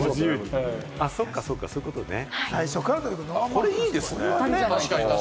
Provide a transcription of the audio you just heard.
これ、いいですね。